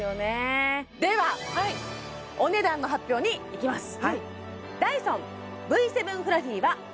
ではお値段の発表にいきます